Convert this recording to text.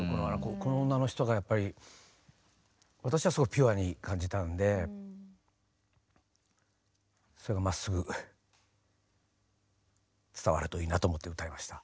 この女の人がやっぱり私はすごくピュアに感じたんでそれがまっすぐ伝わるといいなと思って歌いました。